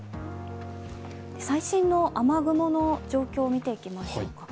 最新の雨雲の状況を見ていきます。